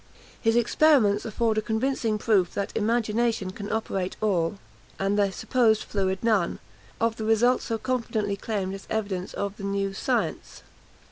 His experiments afford a convincing proof that imagination can operate all, and the supposed fluid none, of the results so confidently claimed as evidence of the new science.